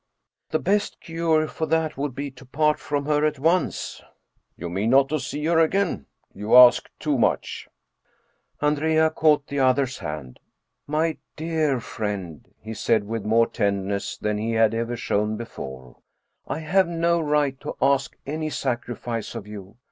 " The best cure for that would be to part from her at once." " You mean not to see her again ? You ask too much." 73 German Mystery Stories Andrea caught the other's hand. " My dear friend," he said with more tenderness than he had ever shown before, " I have no right to ask any sacrifice of you.